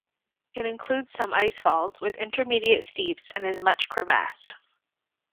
It includes some ice-falls, with intermediate steeps, and is much crevassed.